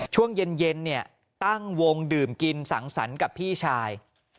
ช่วงเย็นเนี่ยตั้งวงดื่มกินสังสรรค์กับพี่ชาย